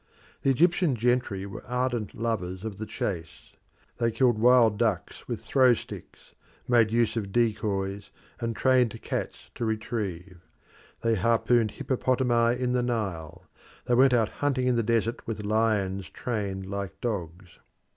The Egyptian gentry were ardent lovers of the chase. They killed wild ducks with throw sticks, made use of decoys, and trained cats to retrieve. They harpooned hippopotami in the Nile; they went out hunting in the desert with lions trained like dogs.